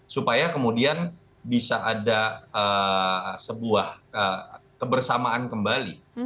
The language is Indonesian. supaya kemudian bisa ada sebuah kebersamaan kembali